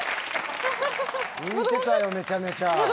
浮いてたよ、めちゃめちゃ。